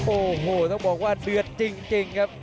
โอ้โหต้องบอกว่าเดือดจริงครับ